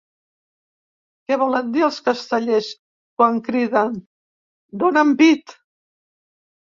Què volen dir els castellers quan criden ‘Dóna’m pit?’